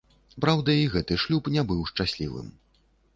Праўда, і гэты шлюб не быў шчаслівым.